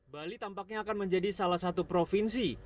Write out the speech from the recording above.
bali tampaknya akan menjadi salah satu provinsi